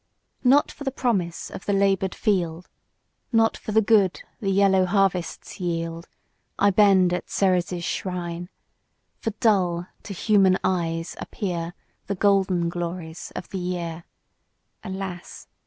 NOT for the promise of the labour'd field, Not for the good the yellow harvests yield, I bend at Ceres' shrine; For dull, to human eyes, appear The golden glories of the year, Alas!